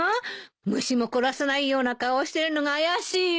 虫も殺さないような顔をしてるのが怪しいわ。